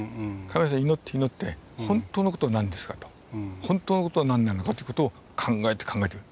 神様に祈って祈って本当の事は何ですかと本当の事は何なのかという事を考えて考えてる。